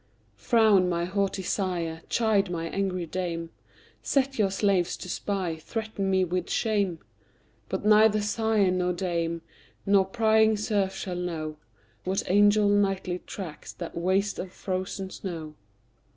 Frown, my haughty sire! chide, my angry dame! Set your slaves to spy; threaten me with shame: But neither sire nor dame, nor prying serf shall know, What angel nightly tracks that waste of frozen snow.